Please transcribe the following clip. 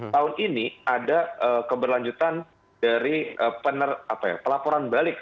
tahun ini ada keberlanjutan dari pelaporan balik